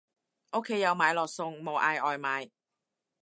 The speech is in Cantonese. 屋企有買落餸，冇嗌外賣